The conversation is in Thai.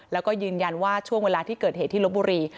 แล้วก็ยืนยันว่าช่วงเวลาที่เกิดเหตุที่ลบบุรี